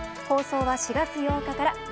放送は４月８日から。